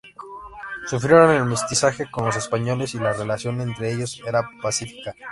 Sufrieron el mestizaje con los Españoles y la relación entre ellos era pacífica.